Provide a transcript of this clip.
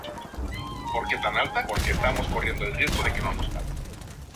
Se acepta generalmente que está relacionada con la marcha de Kempe.